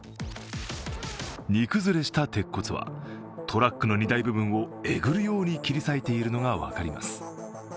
荷崩れした鉄骨は、トラックの荷台部分をえぐるように切り裂いているのが分かります。